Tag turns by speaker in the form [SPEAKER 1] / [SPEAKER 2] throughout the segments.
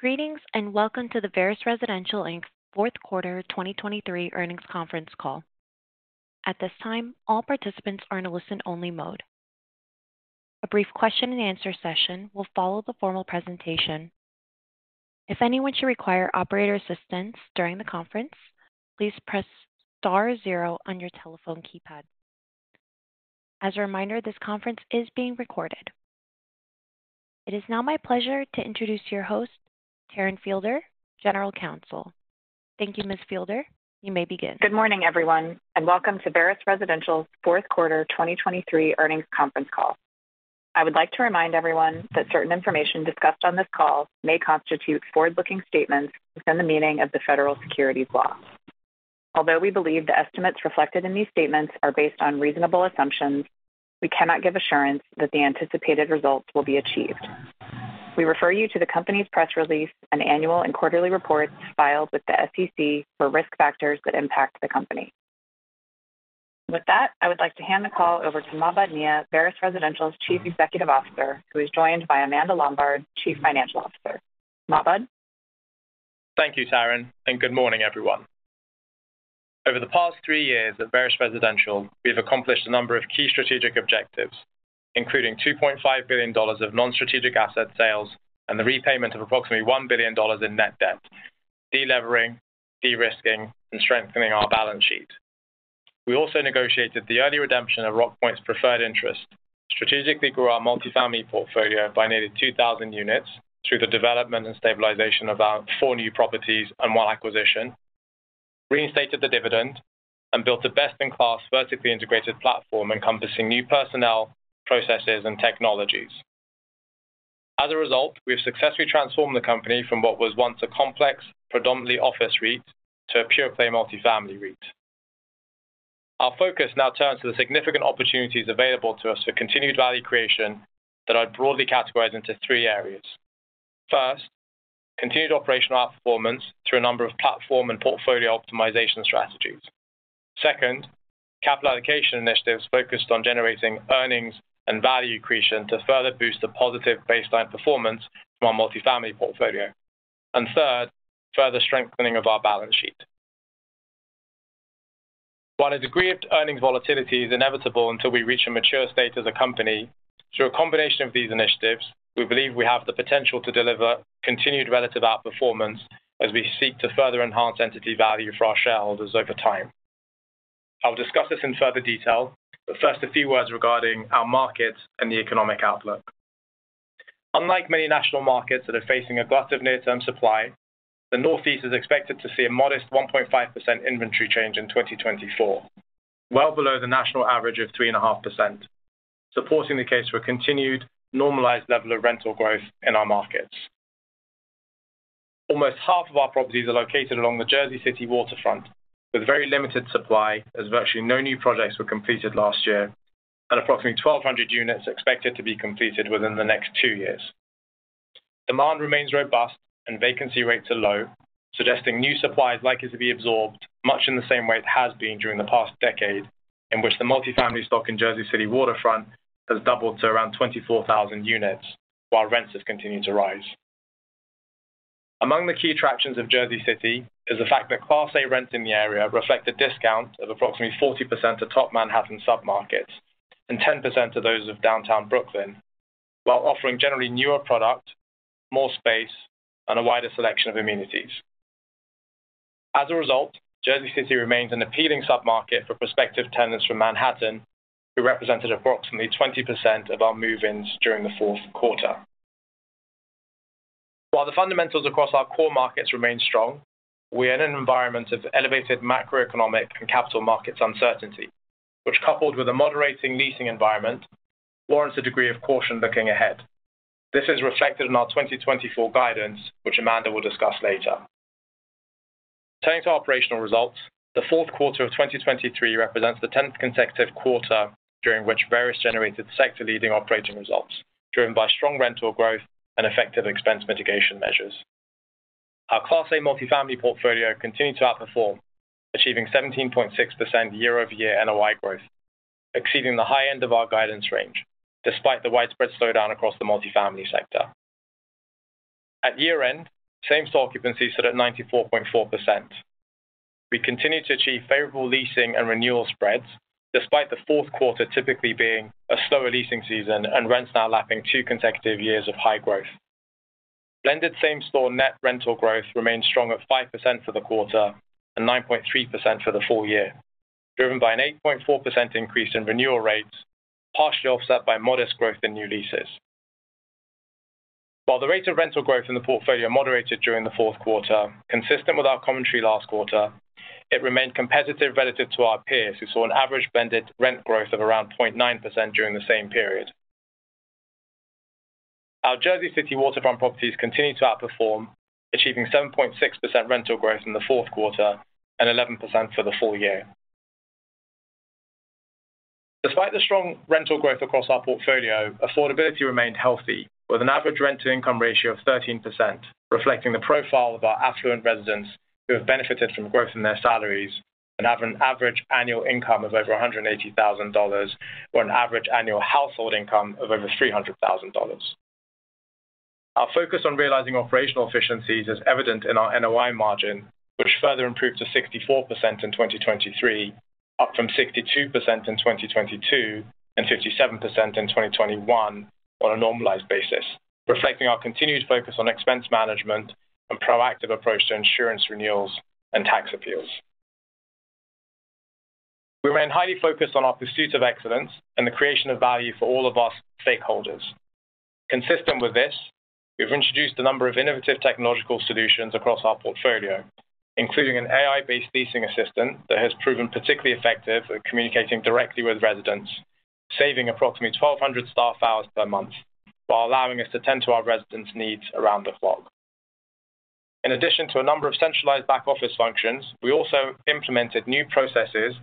[SPEAKER 1] Greetings and welcome to the Veris Residential Inc fourth quarter 2023 earnings conference call. At this time, all participants are in a listen-only mode. A brief question-and-answer session will follow the formal presentation. If anyone should require operator assistance during the conference, please press star zero on your telephone keypad. As a reminder, this conference is being recorded. It is now my pleasure to introduce your host, Taryn Fielder, General Counsel. Thank you, Ms. Fielder. You may begin.
[SPEAKER 2] Good morning, everyone, and welcome to Veris Residential's fourth quarter 2023 earnings conference call. I would like to remind everyone that certain information discussed on this call may constitute forward-looking statements within the meaning of the federal securities law. Although we believe the estimates reflected in these statements are based on reasonable assumptions, we cannot give assurance that the anticipated results will be achieved. We refer you to the company's press release and annual and quarterly reports filed with the SEC for risk factors that impact the company. With that, I would like to hand the call over to Mahbod Nia, Veris Residential's Chief Executive Officer, who is joined by Amanda Lombard, Chief Financial Officer. Mahbod?
[SPEAKER 3] Thank you, Taryn, and good morning, everyone. Over the past three years at Veris Residential, we have accomplished a number of key strategic objectives, including $2.5 billion of non-strategic asset sales and the repayment of approximately $1 billion in net debt, delevering, de-risking, and strengthening our balance sheet. We also negotiated the early redemption of Rockpoint's preferred interest, strategically grew our multifamily portfolio by nearly 2,000 units through the development and stabilization of four new properties and one acquisition, reinstated the dividend, and built a best-in-class vertically integrated platform encompassing new personnel, processes, and technologies. As a result, we have successfully transformed the company from what was once a complex, predominantly office REIT to a pure-play multifamily REIT. Our focus now turns to the significant opportunities available to us for continued value creation that I'd broadly categorize into three areas. First, continued operational outperformance through a number of platform and portfolio optimization strategies. Second, capital allocation initiatives focused on generating earnings and value accretion to further boost the positive baseline performance from our multifamily portfolio. Third, further strengthening of our balance sheet. While a degree of earnings volatility is inevitable until we reach a mature state as a company, through a combination of these initiatives, we believe we have the potential to deliver continued relative outperformance as we seek to further enhance entity value for our shareholders over time. I'll discuss this in further detail, but first a few words regarding our markets and the economic outlook. Unlike many national markets that are facing a glut of near-term supply, the Northeast is expected to see a modest 1.5% inventory change in 2024, well below the national average of 3.5%, supporting the case for a continued, normalized level of rental growth in our markets. Almost half of our properties are located along the Jersey City waterfront, with very limited supply as virtually no new projects were completed last year and approximately 1,200 units expected to be completed within the next two years. Demand remains robust, and vacancy rates are low, suggesting new supply is likely to be absorbed much in the same way it has been during the past decade in which the multifamily stock in Jersey City waterfront has doubled to around 24,000 units while rents have continued to rise. Among the key attractions of Jersey City is the fact that Class A rents in the area reflect a discount of approximately 40% of top Manhattan submarkets and 10% of those of Downtown Brooklyn, while offering generally newer product, more space, and a wider selection of amenities. As a result, Jersey City remains an appealing submarket for prospective tenants from Manhattan, who represented approximately 20% of our move-ins during the fourth quarter. While the fundamentals across our core markets remain strong, we are in an environment of elevated macroeconomic and capital markets uncertainty, which coupled with a moderating leasing environment warrants a degree of caution looking ahead. This is reflected in our 2024 guidance, which Amanda will discuss later. Turning to operational results, the fourth quarter of 2023 represents the tenth consecutive quarter during which Veris generated sector-leading operating results driven by strong rental growth and effective expense mitigation measures. Our Class A Multifamily portfolio continued to outperform, achieving 17.6% year-over-year NOI growth, exceeding the high end of our guidance range despite the widespread slowdown across the multifamily sector. At year-end, same-store occupancy stood at 94.4%. We continued to achieve favorable leasing and renewal spreads despite the fourth quarter typically being a slower leasing season and rents now lapping two consecutive years of high growth. Blended same-store net rental growth remained strong at 5% for the quarter and 9.3% for the full year, driven by an 8.4% increase in renewal rates, partially offset by modest growth in new leases. While the rate of rental growth in the portfolio moderated during the fourth quarter, consistent with our commentary last quarter, it remained competitive relative to our peers, who saw an average blended rent growth of around 0.9% during the same period. Our Jersey City waterfront properties continued to outperform, achieving 7.6% rental growth in the fourth quarter and 11% for the full year. Despite the strong rental growth across our portfolio, affordability remained healthy, with an average rent-to-income ratio of 13%, reflecting the profile of our affluent residents who have benefited from growth in their salaries and have an average annual income of over $180,000 or an average annual household income of over $300,000. Our focus on realizing operational efficiencies is evident in our NOI margin, which further improved to 64% in 2023, up from 62% in 2022 and 57% in 2021 on a normalized basis, reflecting our continued focus on expense management and proactive approach to insurance renewals and tax appeals. We remain highly focused on our pursuit of excellence and the creation of value for all of our stakeholders. Consistent with this, we've introduced a number of innovative technological solutions across our portfolio, including an AI-based leasing assistant that has proven particularly effective at communicating directly with residents, saving approximately 1,200 staff hours per month while allowing us to tend to our residents' needs around the clock. In addition to a number of centralized back-office functions, we also implemented new processes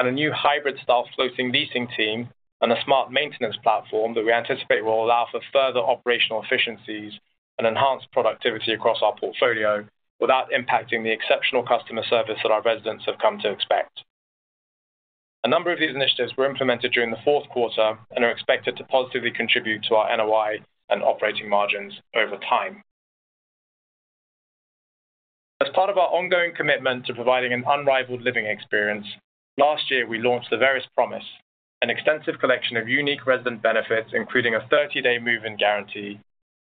[SPEAKER 3] and a new hybrid staff floating leasing team and a smart maintenance platform that we anticipate will allow for further operational efficiencies and enhanced productivity across our portfolio without impacting the exceptional customer service that our residents have come to expect. A number of these initiatives were implemented during the fourth quarter and are expected to positively contribute to our NOI and operating margins over time. As part of our ongoing commitment to providing an unrivaled living experience, last year we launched the Veris Promise, an extensive collection of unique resident benefits including a 30-day move-in guarantee,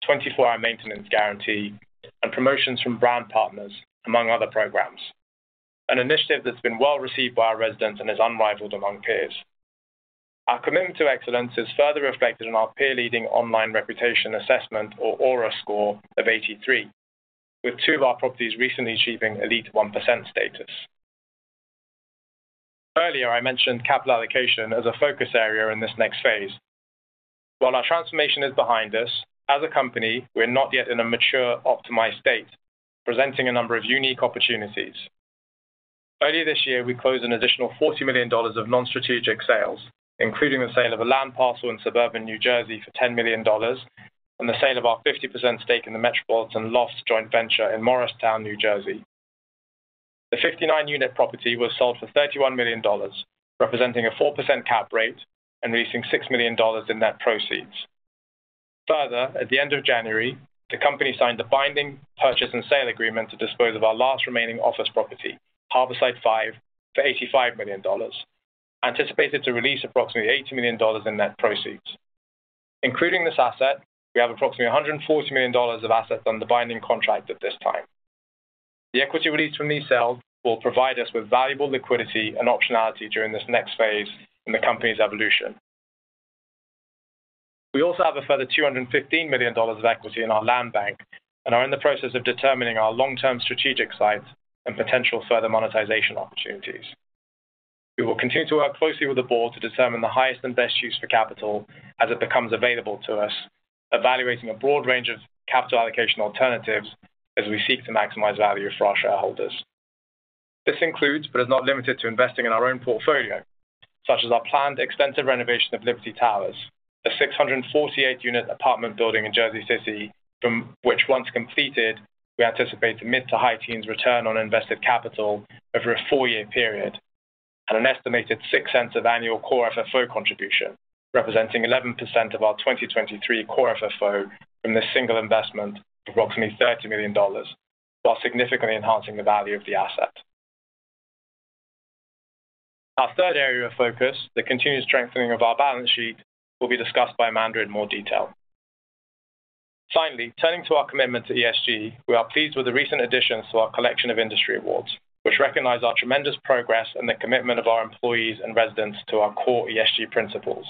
[SPEAKER 3] 24-hour maintenance guarantee, and promotions from brand partners, among other programs, an initiative that's been well received by our residents and is unrivaled among peers. Our commitment to excellence is further reflected in our peer-leading Online Reputation Assessment, or ORA, score of 83, with two of our properties recently achieving elite 1% status. Earlier, I mentioned capital allocation as a focus area in this next phase. While our transformation is behind us, as a company, we're not yet in a mature, optimized state, presenting a number of unique opportunities. Earlier this year, we closed an additional $40 million of non-strategic sales, including the sale of a land parcel in suburban New Jersey for $10 million and the sale of our 50% stake in the Metropolitan Lofts joint venture in Morristown, New Jersey. The 59-unit property was sold for $31 million, representing a 4% cap rate and releasing $6 million in net proceeds. Further, at the end of January, the company signed the binding purchase and sale agreement to dispose of our last remaining office property, Harborside 5, for $85 million, anticipated to release approximately $80 million in net proceeds. Including this asset, we have approximately $140 million of assets under binding contract at this time. The equity released from these sales will provide us with valuable liquidity and optionality during this next phase in the company's evolution. We also have a further $215 million of equity in our land bank and are in the process of determining our long-term strategic sites and potential further monetization opportunities. We will continue to work closely with the board to determine the highest and best use for capital as it becomes available to us, evaluating a broad range of capital allocation alternatives as we seek to maximize value for our shareholders. This includes, but is not limited to, investing in our own portfolio, such as our planned extensive renovation of Liberty Towers, a 648-unit apartment building in Jersey City from which, once completed, we anticipate the mid to high teens return on invested capital over a four-year period, and an estimated $0.06 of Core FFO contribution, representing 11% of our Core FFO from this single investment of approximately $30 million, while significantly enhancing the value of the asset. Our third area of focus, the continued strengthening of our balance sheet, will be discussed by Amanda in more detail. Finally, turning to our commitment to ESG, we are pleased with the recent additions to our collection of industry awards, which recognize our tremendous progress and the commitment of our employees and residents to our core ESG principles.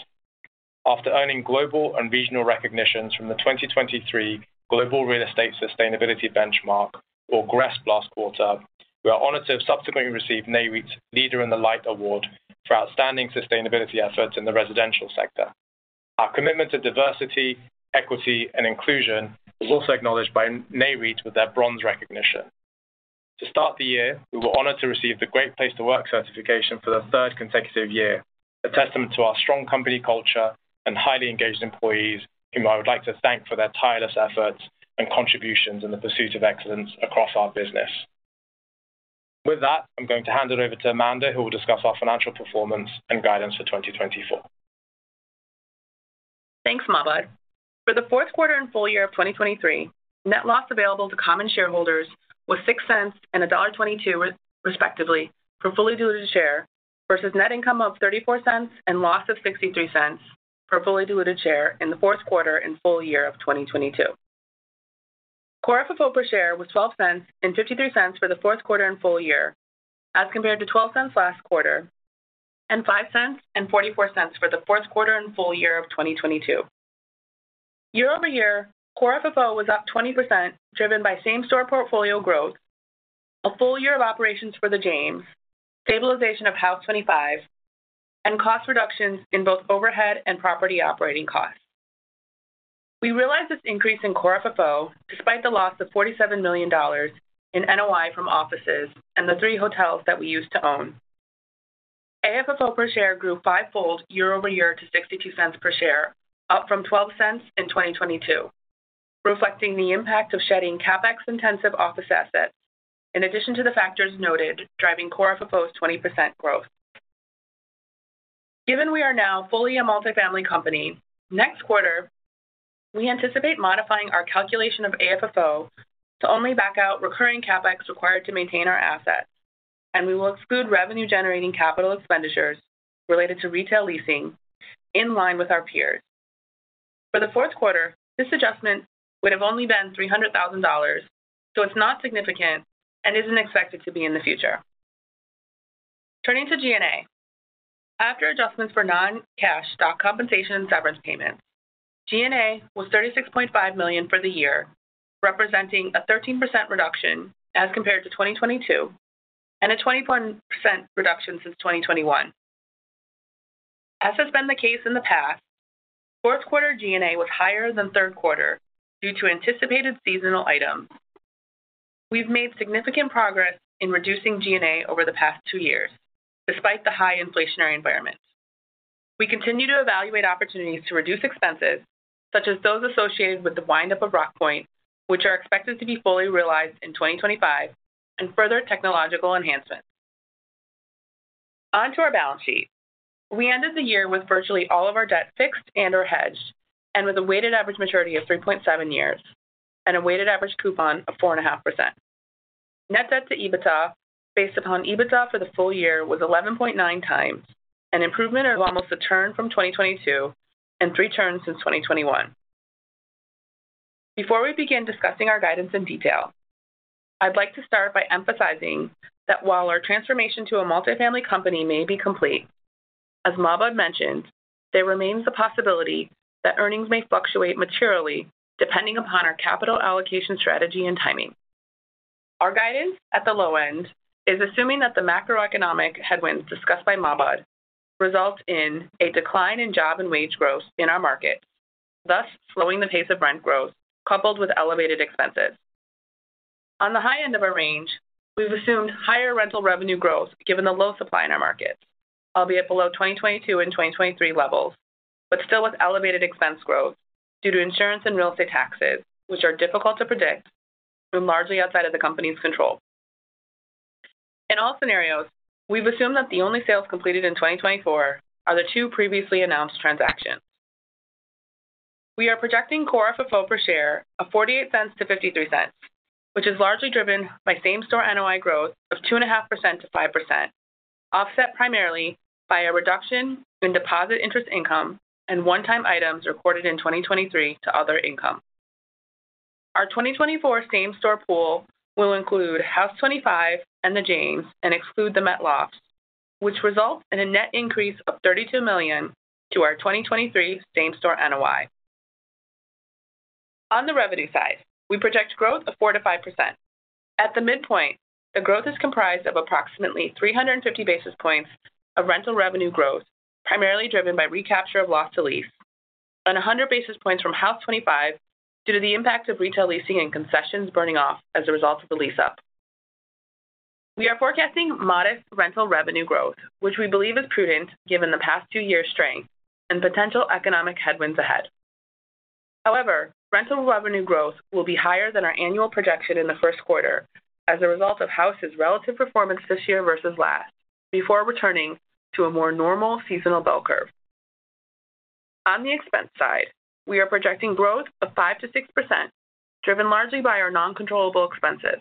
[SPEAKER 3] After earning global and regional recognitions from the 2023 Global Real Estate Sustainability Benchmark, or GRESB, last quarter, we are honored to have subsequently received Nareit's Leader in the Light Award for outstanding sustainability efforts in the residential sector. Our commitment to diversity, equity, and inclusion is also acknowledged by Nareit with their bronze recognition. To start the year, we were honored to receive the Great Place to Work certification for the third consecutive year, a testament to our strong company culture and highly engaged employees, whom I would like to thank for their tireless efforts and contributions in the pursuit of excellence across our business. With that, I'm going to hand it over to Amanda, who will discuss our financial performance and guidance for 2024.
[SPEAKER 4] Thanks, Mahbod. For the fourth quarter and full year of 2023, net loss available to common shareholders was $0.06 and $1.22, respectively, per fully diluted share versus net income of $0.34 and loss of $0.63 per fully diluted share in the fourth quarter and full year of Core FFO per share was $0.12 and $0.53 for the fourth quarter and full year, as compared to $0.12 last quarter and $0.05 and $0.44 for the fourth quarter and full year of 2022. Core FFO was up 20% driven by same-store portfolio growth, a full year of operations for The James, stabilization of Haus25, and cost reductions in both overhead and property operating costs. We realized this increase Core FFO despite the loss of $47 million in NOI from offices and the three hotels that we used to own. AFFO per share grew fivefold year-over-year to $0.62 per share, up from $0.12 in 2022, reflecting the impact of shedding CapEx-intensive office assets in addition to the factors noted Core FFO's 20% growth. Given we are now fully a multifamily company, next quarter, we anticipate modifying our calculation of AFFO to only back out recurring CapEx required to maintain our assets, and we will exclude revenue-generating CapEx related to retail leasing in line with our peers. For the fourth quarter, this adjustment would have only been $300,000, so it's not significant and isn't expected to be in the future. Turning to G&A, after adjustments for non-cash stock compensation and severance payments, G&A was $36.5 million for the year, representing a 13% reduction as compared to 2022 and a 21% reduction since 2021. As has been the case in the past, fourth quarter G&A was higher than third quarter due to anticipated seasonal items. We've made significant progress in reducing G&A over the past two years, despite the high inflationary environment. We continue to evaluate opportunities to reduce expenses, such as those associated with the windup of Rockpoint, which are expected to be fully realized in 2025, and further technological enhancements. Onto our balance sheet. We ended the year with virtually all of our debt fixed and/or hedged and with a weighted average maturity of 3.7 years and a weighted average coupon of 4.5%. Net debt-to-EBITDA based upon EBITDA for the full year was 11.9x, an improvement of almost a turn from 2022 and three turns since 2021. Before we begin discussing our guidance in detail, I'd like to start by emphasizing that while our transformation to a multifamily company may be complete, as Mahbod mentioned, there remains the possibility that earnings may fluctuate materially depending upon our capital allocation strategy and timing. Our guidance at the low end is assuming that the macroeconomic headwinds discussed by Mahbod result in a decline in job and wage growth in our markets, thus slowing the pace of rent growth coupled with elevated expenses. On the high end of our range, we've assumed higher rental revenue growth given the low supply in our markets, albeit below 2022 and 2023 levels, but still with elevated expense growth due to insurance and real estate taxes, which are difficult to predict and largely outside of the company's control. In all scenarios, we've assumed that the only sales completed in 2024 are the two previously announced transactions. We are Core FFO per share of $0.48-$0.53, which is largely driven by same-store NOI growth of 2.5%-5%, offset primarily by a reduction in deposit interest income and one-time items recorded in 2023 to other income. Our 2024 same-store pool will include Haus25 and The James and exclude the Met Lofts, which results in a net increase of $32 million to our 2023 same-store NOI. On the revenue side, we project growth of 4%-5%. At the midpoint, the growth is comprised of approximately 350 basis points of rental revenue growth, primarily driven by recapture of loss-to-lease, and 100 basis points from Haus25 due to the impact of retail leasing and concessions burning off as a result of the lease-up. We are forecasting modest rental revenue growth, which we believe is prudent given the past two years' strength and potential economic headwinds ahead. However, rental revenue growth will be higher than our annual projection in the first quarter as a result of Haus25's relative performance this year versus last, before returning to a more normal seasonal bell curve. On the expense side, we are projecting growth of 5%-6%, driven largely by our non-controllable expenses.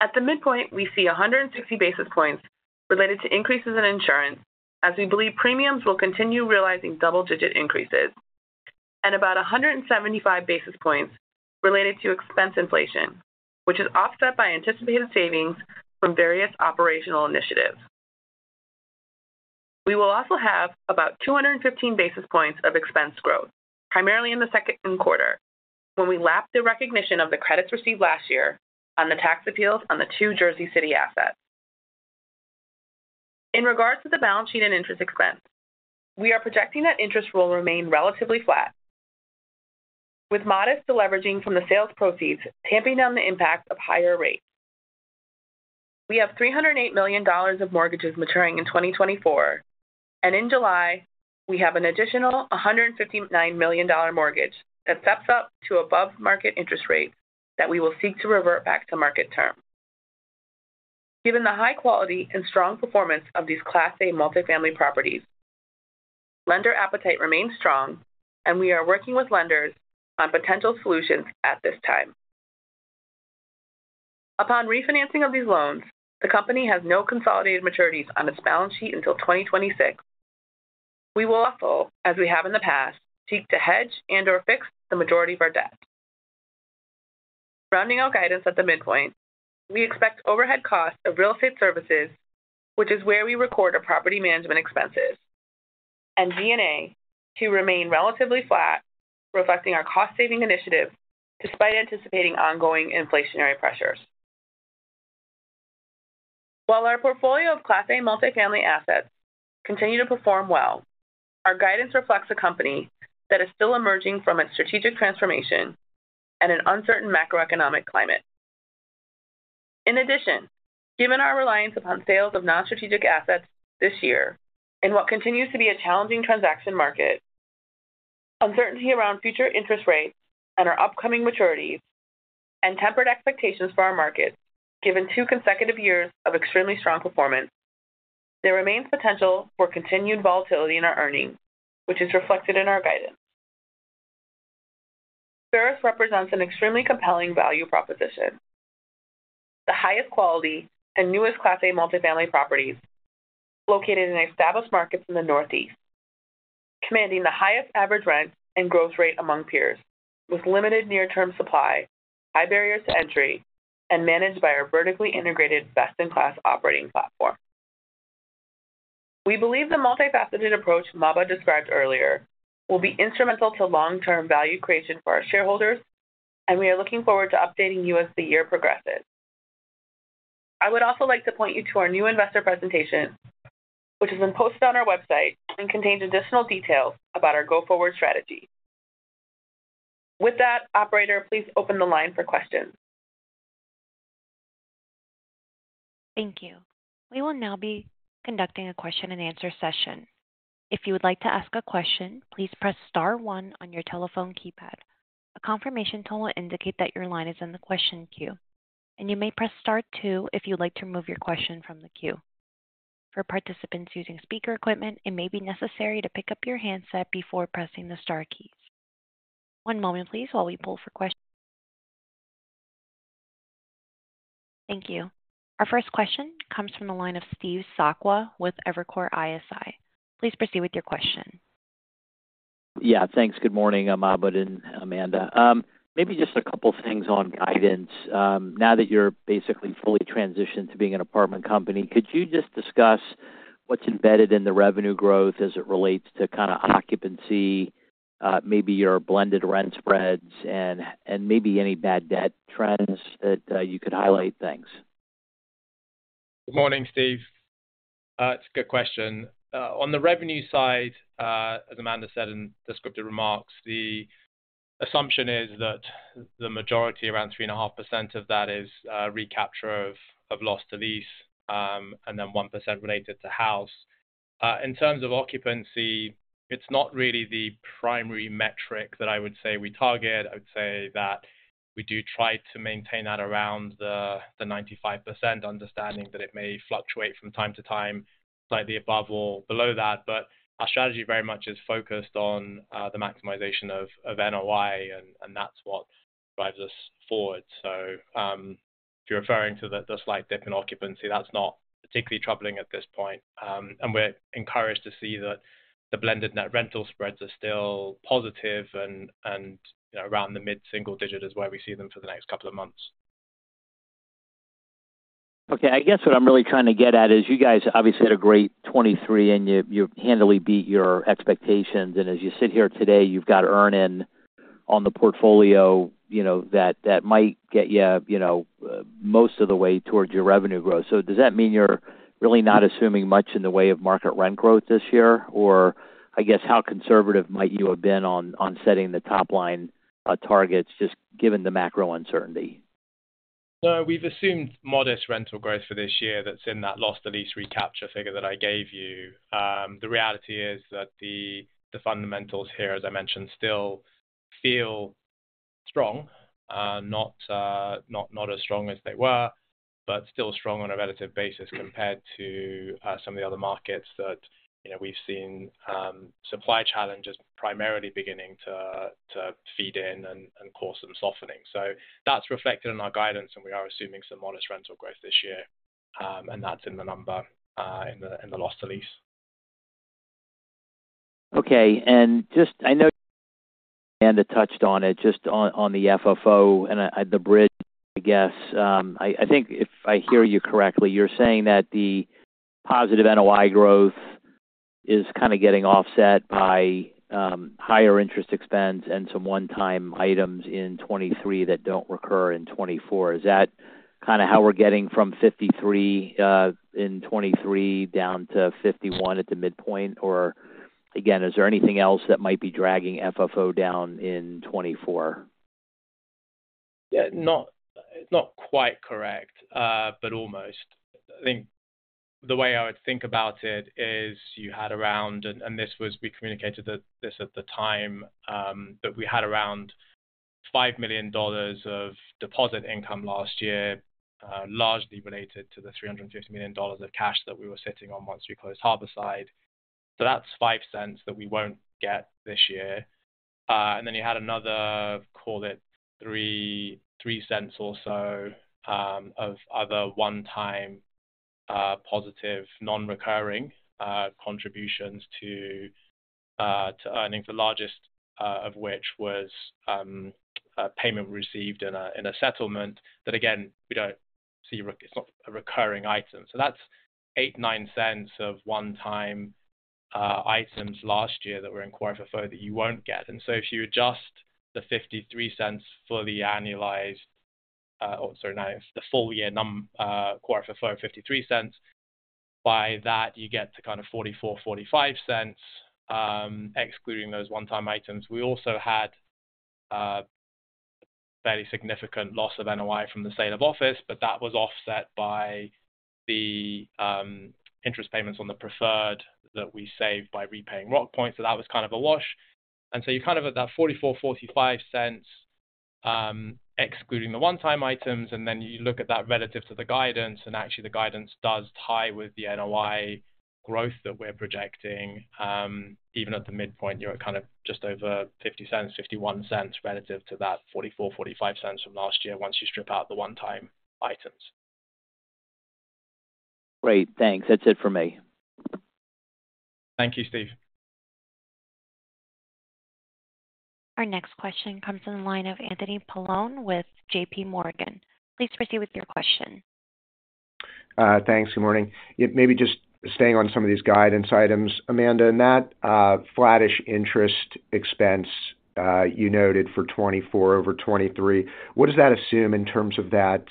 [SPEAKER 4] At the midpoint, we see 160 basis points related to increases in insurance, as we believe premiums will continue realizing double-digit increases, and about 175 basis points related to expense inflation, which is offset by anticipated savings from various operational initiatives. We will also have about 215 basis points of expense growth, primarily in the second quarter, when we lap the recognition of the credits received last year on the tax appeals on the two Jersey City assets. In regards to the balance sheet and interest expense, we are projecting that interest will remain relatively flat, with modest deleveraging from the sales proceeds tamping down the impact of higher rates. We have $308 million of mortgages maturing in 2024, and in July, we have an additional $159 million mortgage that steps up to above-market interest rates that we will seek to revert back to market terms. Given the high quality and strong performance of these Class A multifamily properties, lender appetite remains strong, and we are working with lenders on potential solutions at this time. Upon refinancing of these loans, the company has no consolidated maturities on its balance sheet until 2026. We will also, as we have in the past, seek to hedge and/or fix the majority of our debt. Rounding out guidance at the midpoint, we expect overhead costs of real estate services, which is where we record our property management expenses, and G&A to remain relatively flat, reflecting our cost-saving initiatives despite anticipating ongoing inflationary pressures. While our portfolio of Class A multifamily assets continue to perform well, our guidance reflects a company that is still emerging from its strategic transformation and an uncertain macroeconomic climate. In addition, given our reliance upon sales of non-strategic assets this year in what continues to be a challenging transaction market, uncertainty around future interest rates and our upcoming maturities, and tempered expectations for our markets given two consecutive years of extremely strong performance, there remains potential for continued volatility in our earnings, which is reflected in our guidance. Veris represents an extremely compelling value proposition: the highest quality and newest Class A multifamily properties located in established markets in the Northeast, commanding the highest average rent and growth rate among peers, with limited near-term supply, high barriers to entry, and managed by our vertically integrated best-in-class operating platform. We believe the multifaceted approach Mahbod described earlier will be instrumental to long-term value creation for our shareholders, and we are looking forward to updating you as the year progresses. I would also like to point you to our new investor presentation, which has been posted on our website and contains additional details about our go-forward strategy. With that, operator, please open the line for questions.
[SPEAKER 1] Thank you. We will now be conducting a question-and-answer session. If you would like to ask a question, please press star one on your telephone keypad. A confirmation tone will indicate that your line is in the question queue, and you may press star two if you'd like to move your question from the queue. For participants using speaker equipment, it may be necessary to pick up your handset before pressing the star keys. One moment, please, while we pull for questions. Thank you. Our first question comes from the line of Steve Sakwa with Evercore ISI. Please proceed with your question.
[SPEAKER 5] Yeah, thanks. Good morning, Mahbod and Amanda. Maybe just a couple of things on guidance. Now that you're basically fully transitioned to being an apartment company, could you just discuss what's embedded in the revenue growth as it relates to kind of occupancy, maybe your blended rent spreads, and maybe any bad debt trends that you could highlight things?
[SPEAKER 3] Good morning, Steve. It's a good question. On the revenue side, as Amanda said in descriptive remarks, the assumption is that the majority, around 3.5%, of that is recapture of loss-to-lease and then 1% related to Haus25. In terms of occupancy, it's not really the primary metric that I would say we target. I would say that we do try to maintain that around the 95%, understanding that it may fluctuate from time to time slightly above or below that. But our strategy very much is focused on the maximization of NOI, and that's what drives us forward. So if you're referring to the slight dip in occupancy, that's not particularly troubling at this point. And we're encouraged to see that the blended net rental spreads are still positive and around the mid-single digit is where we see them for the next couple of months.
[SPEAKER 5] Okay. I guess what I'm really trying to get at is you guys obviously had a great 2023, and you handily beat your expectations. And as you sit here today, you've got earn-in on the portfolio that might get you most of the way towards your revenue growth. So does that mean you're really not assuming much in the way of market rent growth this year? Or I guess how conservative might you have been on setting the top-line targets just given the macro uncertainty?
[SPEAKER 3] No, we've assumed modest rental growth for this year that's in that loss-to-lease recapture figure that I gave you. The reality is that the fundamentals here, as I mentioned, still feel strong, not as strong as they were, but still strong on a relative basis compared to some of the other markets that we've seen supply challenges primarily beginning to feed in and cause some softening. So that's reflected in our guidance, and we are assuming some modest rental growth this year, and that's in the number in the loss-to-lease.
[SPEAKER 5] Okay. And I know Amanda touched on it, just on the FFO and the bridge, I guess. I think if I hear you correctly, you're saying that the positive NOI growth is kind of getting offset by higher interest expense and some one-time items in 2023 that don't recur in 2024. Is that kind of how we're getting from 53 in 2023 down to 51 at the midpoint? Or again, is there anything else that might be dragging FFO down in 2024?
[SPEAKER 3] Yeah, it's not quite correct, but almost. I think the way I would think about it is you had around and we communicated this at the time, but we had around $5 million of deposit income last year, largely related to the $350 million of cash that we were sitting on once we closed Harborside 5. So that's $0.05 that we won't get this year. And then you had another, call it, $0.03 or so of other one-time positive, non-recurring contributions to earnings, the largest of which was payment received in a settlement that, again, we don't see it's not a recurring item. So that's $0.08-$0.09 of one-time items last year that were Core FFO that you won't get. And so if you adjust the $0.53 fully annualized—oh, sorry—the Core FFO of $0.53, by that, you get to kind of $0.44-$0.45, excluding those one-time items. We also had a fairly significant loss of NOI from the sale of office, but that was offset by the interest payments on the preferred that we saved by repaying Rockpoint. So that was kind of a wash. And so you're kind of at that $0.44-$0.45, excluding the one-time items. And then you look at that relative to the guidance, and actually, the guidance does tie with the NOI growth that we're projecting. Even at the midpoint, you're at kind of just over $0.50, $0.51 relative to that $0.44-$0.45 from last year once you strip out the one-time items.
[SPEAKER 5] Great. Thanks. That's it for me.
[SPEAKER 3] Thank you, Steve.
[SPEAKER 1] Our next question comes in the line of Anthony Paolone with JPMorgan. Please proceed with your question.
[SPEAKER 6] Thanks. Good morning. Maybe just staying on some of these guidance items, Amanda. In that flat-ish interest expense you noted for 2024 over 2023, what does that assume in terms of that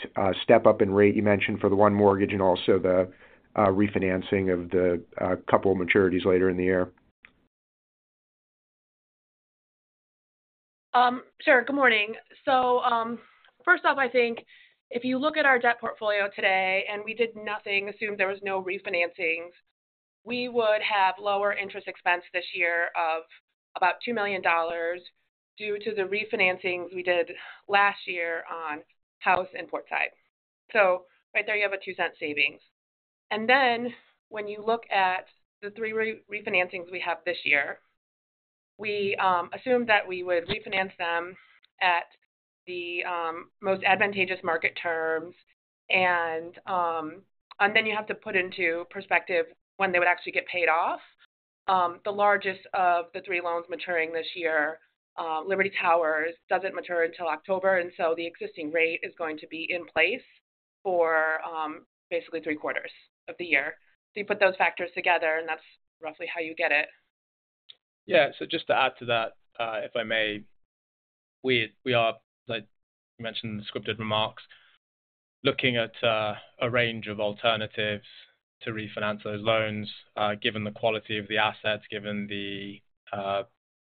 [SPEAKER 6] step-up in rate you mentioned for the one mortgage and also the refinancing of the couple of maturities later in the year?
[SPEAKER 4] Sure. Good morning. So first off, I think if you look at our debt portfolio today and we did nothing, assumed there was no refinancings, we would have lower interest expense this year of about $2 million due to the refinancings we did last year on Haus25 and Portside. So right there, you have a $0.02 savings. And then when you look at the three refinancings we have this year, we assumed that we would refinance them at the most advantageous market terms. And then you have to put into perspective when they would actually get paid off. The largest of the three loans maturing this year, Liberty Towers, doesn't mature until October. And so the existing rate is going to be in place for basically three-quarters of the year. So you put those factors together, and that's roughly how you get it.
[SPEAKER 3] Yeah. So just to add to that, if I may, we are, as I mentioned in the scripted remarks, looking at a range of alternatives to refinance those loans given the quality of the assets, given the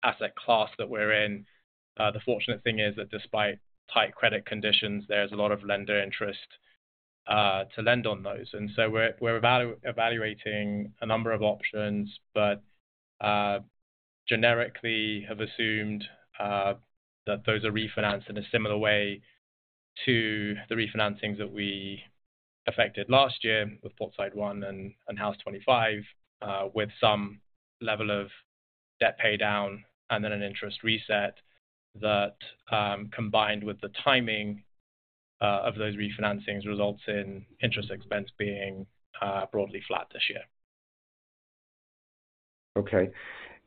[SPEAKER 3] asset class that we're in. The fortunate thing is that despite tight credit conditions, there's a lot of lender interest to lend on those. And so we're evaluating a number of options but generically have assumed that those are refinanced in a similar way to the refinancings that we effected last year with Portside 1 and Haus25, with some level of debt paydown and then an interest reset that, combined with the timing of those refinancings, results in interest expense being broadly flat this year.
[SPEAKER 6] Okay.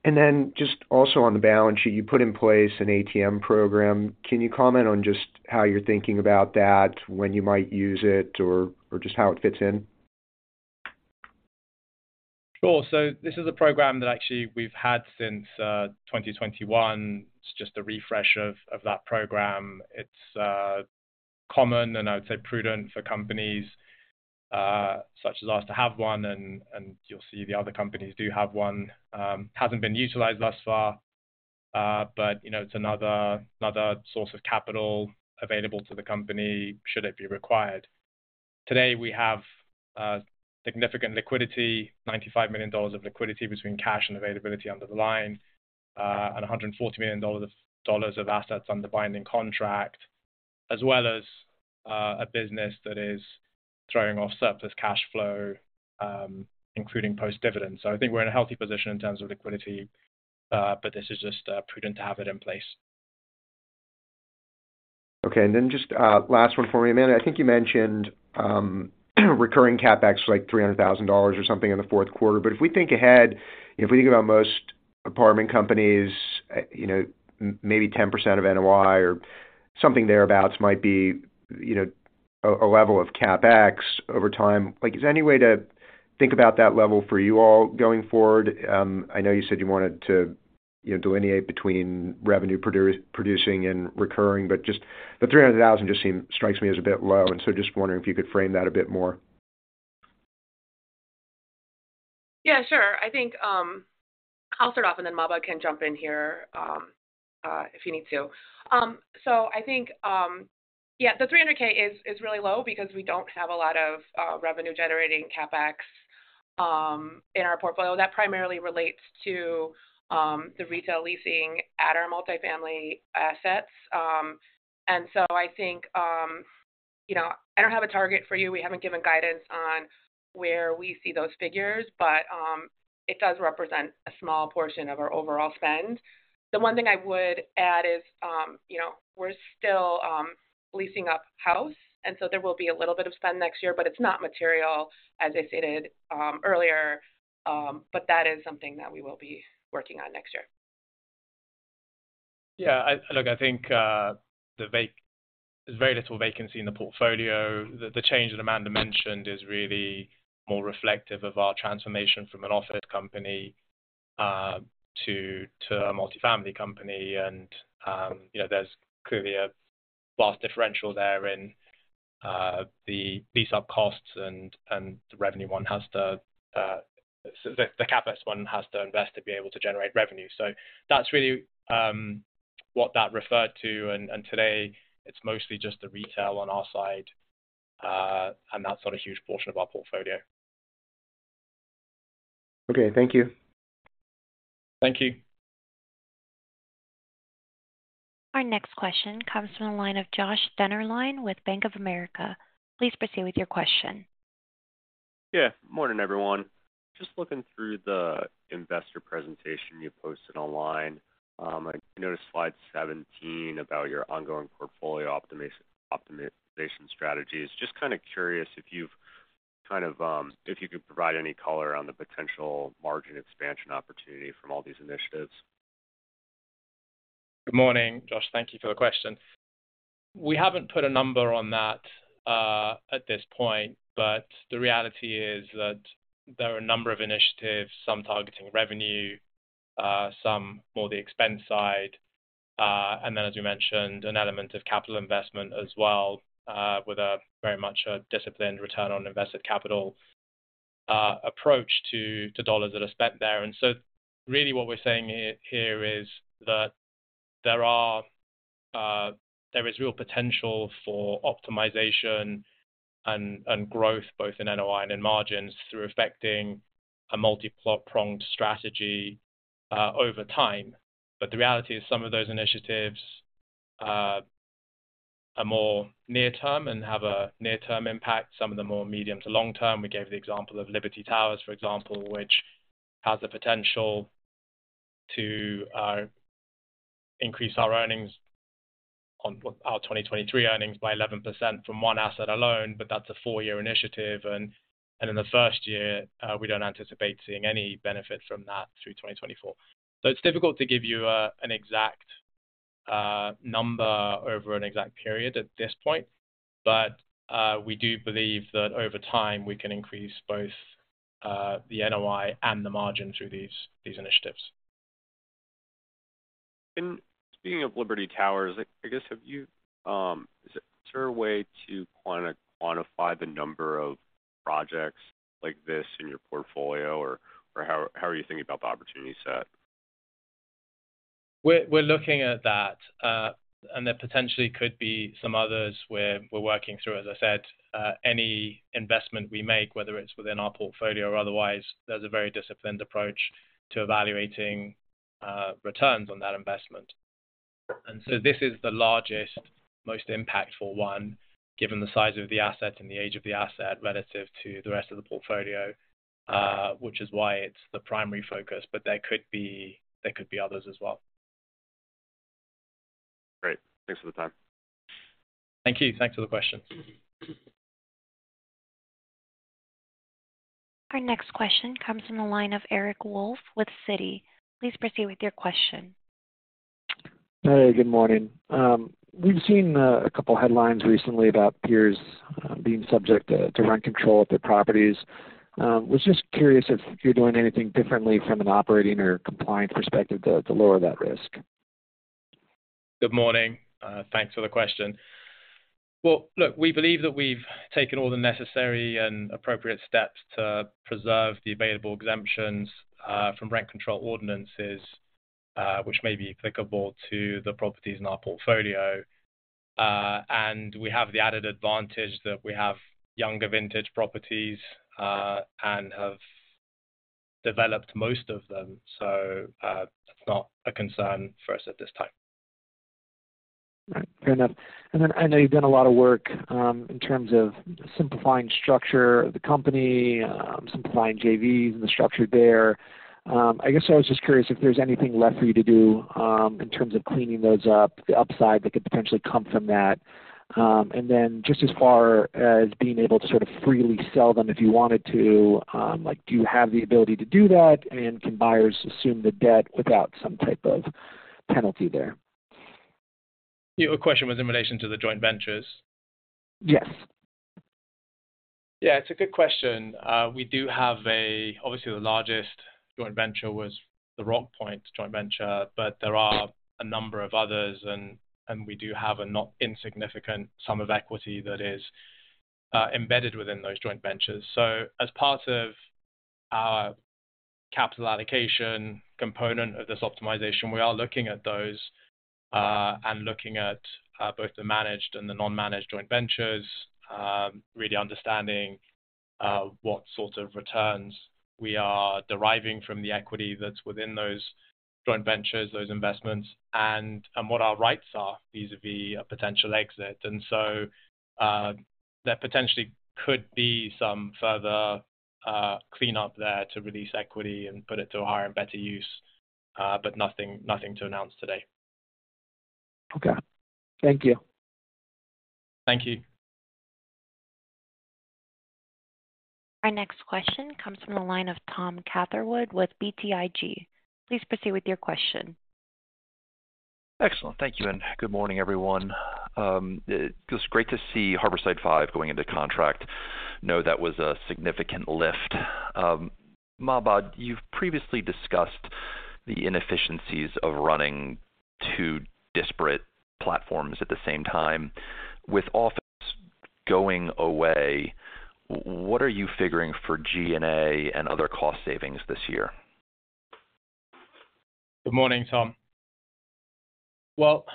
[SPEAKER 6] And then just also on the balance sheet, you put in place an ATM program. Can you comment on just how you're thinking about that, when you might use it, or just how it fits in?
[SPEAKER 3] 6Sure. So this is a program that actually we've had since 2021. It's just a refresh of that program. It's common and, I would say, prudent for companies such as ours to have one. And you'll see the other companies do have one. It hasn't been utilized thus far, but it's another source of capital available to the company should it be required. Today, we have significant liquidity, $95 million of liquidity between cash and availability under the line, and $140 million of assets under binding contract, as well as a business that is throwing off surplus cash flow, including post-dividend. So I think we're in a healthy position in terms of liquidity, but this is just prudent to have it in place.
[SPEAKER 6] Okay. And then just last one for me, Amanda. I think you mentioned recurring CapEx of like $300,000 or something in the fourth quarter. But if we think ahead, if we think about most apartment companies, maybe 10% of NOI or something thereabouts might be a level of CapEx over time. Is there any way to think about that level for you all going forward? I know you said you wanted to delineate between revenue-producing and recurring, but the $300,000 just strikes me as a bit low. And so just wondering if you could frame that a bit more?
[SPEAKER 4] Yeah, sure. I think I'll start off, and then Mahbod can jump in here if you need to. So I think, yeah, the $300,000 is really low because we don't have a lot of revenue-generating CapEx in our portfolio. That primarily relates to the retail leasing at our multifamily assets. And so I think I don't have a target for you. We haven't given guidance on where we see those figures, but it does represent a small portion of our overall spend. The one thing I would add is we're still leasing up Haus25, and so there will be a little bit of spend next year, but it's not material, as I stated earlier. But that is something that we will be working on next year.
[SPEAKER 3] Yeah. Look, I think there's very little vacancy in the portfolio. The change that Amanda mentioned is really more reflective of our transformation from an office company to a multifamily company. And there's clearly a vast differential there in the lease-up costs and the revenue one has to the capex one has to invest to be able to generate revenue. So that's really what that referred to. And today, it's mostly just the retail on our side, and that's not a huge portion of our portfolio.
[SPEAKER 6] Okay. Thank you.
[SPEAKER 3] Thank you.
[SPEAKER 1] Our next question comes from the line of Josh Dennerlein with Bank of America. Please proceed with your question.
[SPEAKER 7] Yeah. Morning, everyone. Just looking through the investor presentation you posted online, I noticed slide 17 about your ongoing portfolio optimization strategies. Just kind of curious if you could provide any color on the potential margin expansion opportunity from all these initiatives.
[SPEAKER 3] Good morning, Josh. Thank you for the question. We haven't put a number on that at this point, but the reality is that there are a number of initiatives, some targeting revenue, some more the expense side, and then, as we mentioned, an element of capital investment as well with very much a disciplined return on invested capital approach to dollars that are spent there. And so really, what we're saying here is that there is real potential for optimization and growth both in NOI and in margins through affecting a multi-pronged strategy over time. But the reality is some of those initiatives are more near-term and have a near-term impact. Some of them are more medium to long-term. We gave the example of Liberty Towers, for example, which has the potential to increase our earnings, our 2023 earnings, by 11% from one asset alone. But that's a four-year initiative. In the first year, we don't anticipate seeing any benefit from that through 2024. It's difficult to give you an exact number over an exact period at this point, but we do believe that over time, we can increase both the NOI and the margin through these initiatives.
[SPEAKER 7] Speaking of Liberty Towers, I guess, is there a way to quantify the number of projects like this in your portfolio, or how are you thinking about the opportunity set?
[SPEAKER 3] We're looking at that. There potentially could be some others where we're working through, as I said, any investment we make, whether it's within our portfolio or otherwise, there's a very disciplined approach to evaluating returns on that investment. So this is the largest, most impactful one given the size of the asset and the age of the asset relative to the rest of the portfolio, which is why it's the primary focus. But there could be others as well.
[SPEAKER 7] Great. Thanks for the time.
[SPEAKER 3] Thank you. Thanks for the question.
[SPEAKER 1] Our next question comes from the line of Eric Wolfe with Citi. Please proceed with your question.
[SPEAKER 8] Hey. Good morning. We've seen a couple of headlines recently about peers being subject to rent control at their properties. Was just curious if you're doing anything differently from an operating or compliance perspective to lower that risk?
[SPEAKER 3] Good morning. Thanks for the question. Well, look, we believe that we've taken all the necessary and appropriate steps to preserve the available exemptions from rent control ordinances, which may be applicable to the properties in our portfolio. We have the added advantage that we have younger vintage properties and have developed most of them. That's not a concern for us at this time.
[SPEAKER 8] Fair enough. And then I know you've done a lot of work in terms of simplifying structure of the company, simplifying JVs and the structure there. I guess I was just curious if there's anything left for you to do in terms of cleaning those up, the upside that could potentially come from that. And then just as far as being able to sort of freely sell them if you wanted to, do you have the ability to do that and can buyers assume the debt without some type of penalty there?
[SPEAKER 3] Yeah. A question was in relation to the joint ventures.
[SPEAKER 8] Yes.
[SPEAKER 3] Yeah. It's a good question. We do have, obviously, the largest joint venture was the Rockpoint joint venture, but there are a number of others. And we do have a not-insignificant sum of equity that is embedded within those joint ventures. So as part of our capital allocation component of this optimization, we are looking at those and looking at both the managed and the non-managed joint ventures, really understanding what sort of returns we are deriving from the equity that's within those joint ventures, those investments, and what our rights are vis-à-vis a potential exit. And so there potentially could be some further cleanup there to release equity and put it to a higher and better use, but nothing to announce today.
[SPEAKER 8] Okay. Thank you.
[SPEAKER 3] Thank you.
[SPEAKER 1] Our next question comes from the line of Tom Catherwood with BTIG. Please proceed with your question.
[SPEAKER 9] Excellent. Thank you. And good morning, everyone. It's great to see Harborside 5 going into contract. I know that was a significant lift. Mahbod, you've previously discussed the inefficiencies of running two disparate platforms at the same time. With office going away, what are you figuring for G&A and other cost savings this year?
[SPEAKER 3] Good morning, Tom. Well,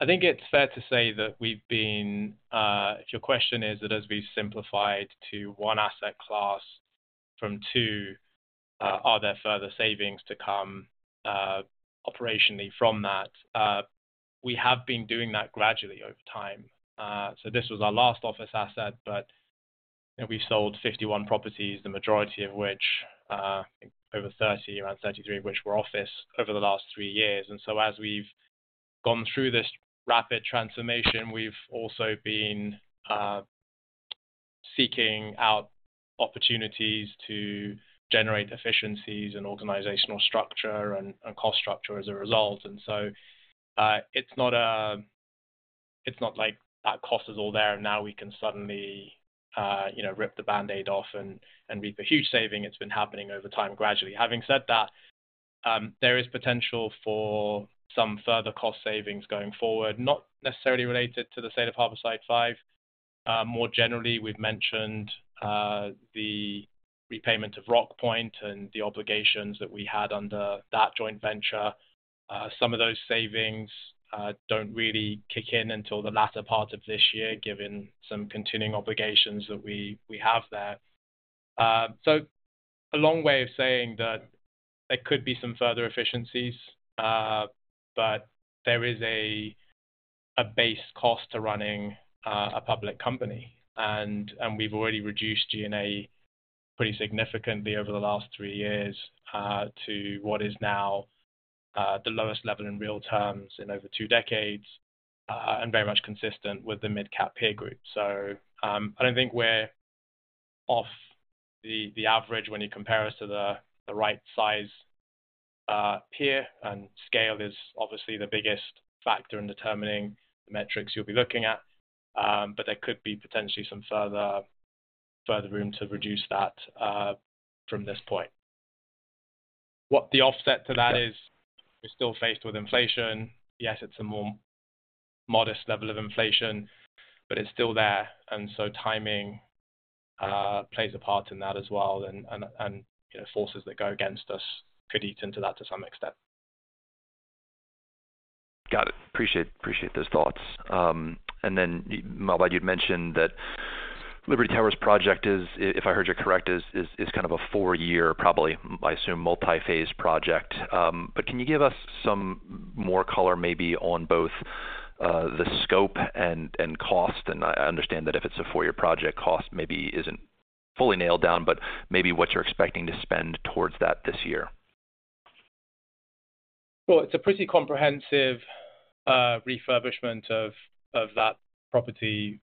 [SPEAKER 3] I think it's fair to say that we've been if your question is that as we've simplified to one asset class from two, are there further savings to come operationally from that? We have been doing that gradually over time. So this was our last office asset, but we've sold 51 properties, the majority of which, I think, over 30, around 33 of which were office over the last three years. And so as we've gone through this rapid transformation, we've also been seeking out opportunities to generate efficiencies and organizational structure and cost structure as a result. And so it's not like that cost is all there, and now we can suddenly rip the Band-Aid off and reap a huge saving. It's been happening over time gradually. Having said that, there is potential for some further cost savings going forward, not necessarily related to the state of Harborside 5. More generally, we've mentioned the repayment of Rockpoint and the obligations that we had under that joint venture. Some of those savings don't really kick in until the latter part of this year given some continuing obligations that we have there. So a long way of saying that there could be some further efficiencies, but there is a base cost to running a public company. And we've already reduced G&A pretty significantly over the last three years to what is now the lowest level in real terms in over two decades and very much consistent with the mid-cap peer group. So I don't think we're off the average when you compare us to the right-sized peer. Scale is obviously the biggest factor in determining the metrics you'll be looking at. There could be potentially some further room to reduce that from this point. The offset to that is we're still faced with inflation. Yes, it's a more modest level of inflation, but it's still there. Timing plays a part in that as well. Forces that go against us could eat into that to some extent.
[SPEAKER 9] Got it. Appreciate those thoughts. And then, Mahbod, you'd mentioned that Liberty Towers' project is, if I heard you correct, is kind of a four-year, probably, I assume, multi-phase project. But can you give us some more color maybe on both the scope and cost? And I understand that if it's a four-year project, cost maybe isn't fully nailed down, but maybe what you're expecting to spend towards that this year?
[SPEAKER 3] Well, it's a pretty comprehensive refurbishment of that property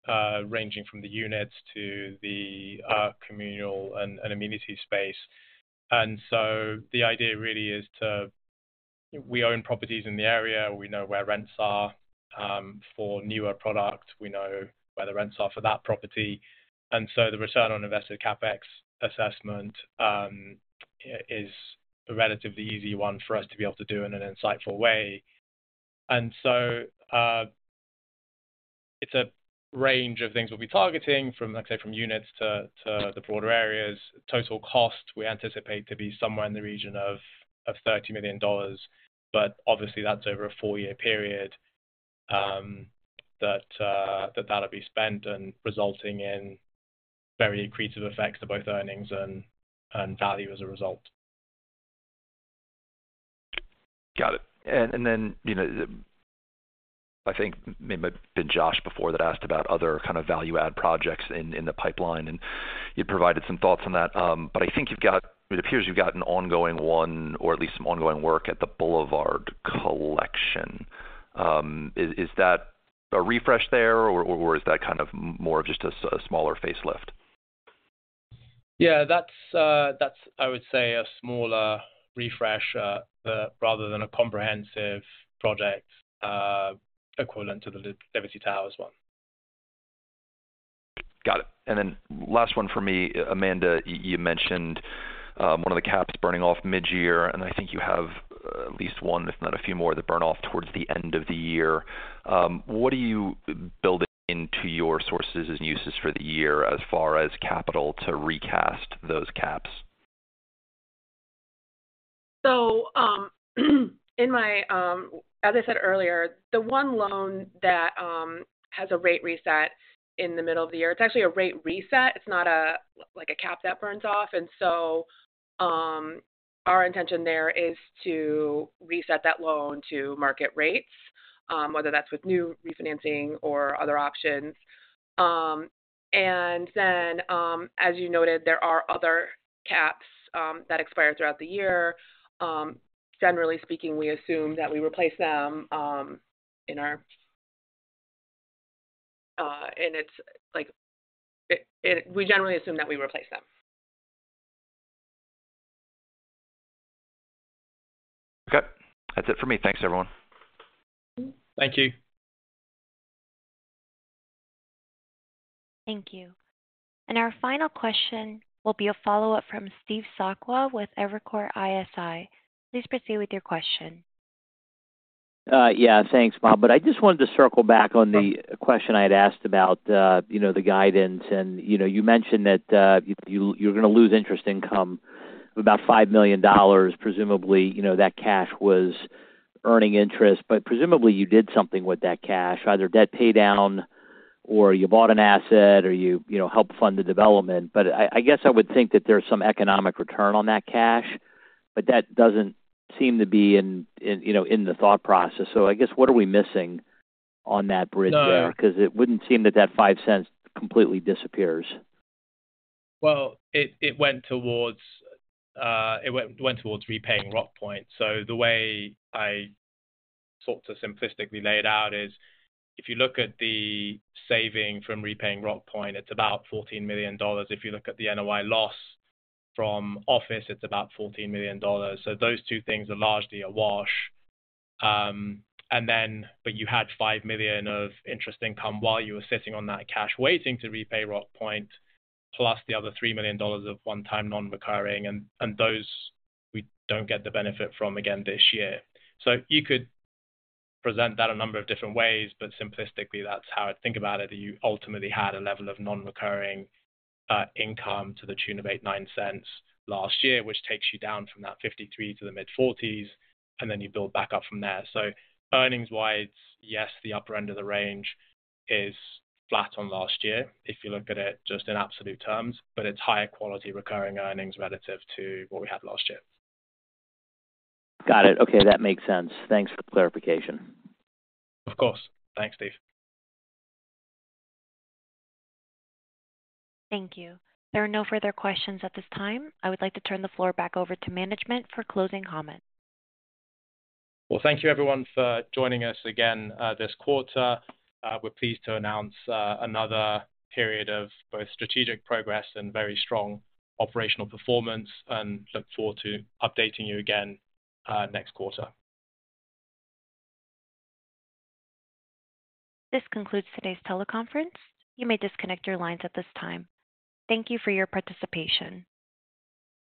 [SPEAKER 3] ranging from the units to the communal and amenity space. And so the idea really is, we own properties in the area. We know where rents are for newer products. We know where the rents are for that property. And so the return on invested CapEx assessment is a relatively easy one for us to be able to do in an insightful way. And so it's a range of things we'll be targeting, like I say, from units to the broader areas. Total cost, we anticipate to be somewhere in the region of $30 million. But obviously, that's over a four-year period that'll be spent and resulting in very accretive effects to both earnings and value as a result.
[SPEAKER 9] Got it. And then I think maybe it might have been Josh before that asked about other kind of value-add projects in the pipeline. And you'd provided some thoughts on that. But I think you've got it appears you've got an ongoing one or at least some ongoing work at the BLVD Collection. Is that a refresh there, or is that kind of more of just a smaller facelift?
[SPEAKER 3] Yeah. That's, I would say, a smaller refresh rather than a comprehensive project equivalent to the Liberty Towers one.
[SPEAKER 9] Got it. And then last one for me, Amanda, you mentioned one of the caps burning off mid-year. And I think you have at least one, if not a few more, that burn off towards the end of the year. What are you building into your sources and uses for the year as far as capital to recast those caps?
[SPEAKER 4] So as I said earlier, the one loan that has a rate reset in the middle of the year, it's actually a rate reset. It's not a cap that burns off. And so our intention there is to reset that loan to market rates, whether that's with new refinancing or other options. And then, as you noted, there are other caps that expire throughout the year. Generally speaking, we assume that we replace them in our and we generally assume that we replace them.
[SPEAKER 9] Okay. That's it for me. Thanks, everyone.
[SPEAKER 3] Thank you.
[SPEAKER 1] Thank you. Our final question will be a follow-up from Steve Sakwa with Evercore ISI. Please proceed with your question.
[SPEAKER 5] Yeah. Thanks, Mahbod. I just wanted to circle back on the question I had asked about the guidance. You mentioned that you're going to lose interest income of about $5 million. Presumably, that cash was earning interest. But presumably, you did something with that cash, either debt paydown or you bought an asset or you helped fund the development. But I guess I would think that there's some economic return on that cash. But that doesn't seem to be in the thought process. So I guess, what are we missing on that bridge there? Because it wouldn't seem that that $0.05 completely disappears.
[SPEAKER 3] Well, it went towards repaying Rockpoint. So the way I sort of simplistically lay it out is if you look at the savings from repaying Rockpoint, it's about $14 million. If you look at the NOI loss from office, it's about $14 million. So those two things are largely a wash. But you had $5 million of interest income while you were sitting on that cash waiting to repay Rockpoint plus the other $3 million of one-time non-recurring. And those we don't get the benefit from, again, this year. So you could present that a number of different ways. But simplistically, that's how I'd think about it. You ultimately had a level of non-recurring income to the tune of $0.089 last year, which takes you down from that $0.53 to the mid-$0.40s. And then you build back up from there. So earnings-wise, yes, the upper end of the range is flat on last year if you look at it just in absolute terms. But it's higher-quality recurring earnings relative to what we had last year.
[SPEAKER 5] Got it. Okay. That makes sense. Thanks for the clarification.
[SPEAKER 3] Of course. Thanks, Steve.
[SPEAKER 1] Thank you. There are no further questions at this time. I would like to turn the floor back over to management for closing comments.
[SPEAKER 3] Well, thank you, everyone, for joining us again this quarter. We're pleased to announce another period of both strategic progress and very strong operational performance. Look forward to updating you again next quarter.
[SPEAKER 1] This concludes today's teleconference. You may disconnect your lines at this time. Thank you for your participation.